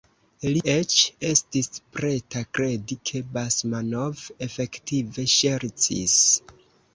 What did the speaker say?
Li eĉ estis preta kredi, ke Basmanov efektive ŝercis.